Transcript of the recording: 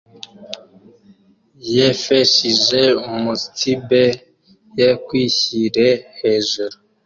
yefeshije umunsibe yekwishyire hejuru: